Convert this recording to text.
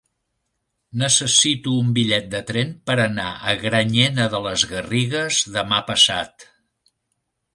Necessito un bitllet de tren per anar a Granyena de les Garrigues demà passat.